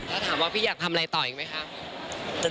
ถ้าถามว่าพี่อยากทำอะไรต่ออีกไหมคะ